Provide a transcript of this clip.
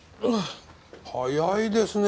早いですね